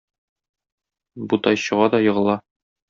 Бу тай чыга да егыла.